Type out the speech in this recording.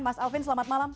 mas alvin selamat malam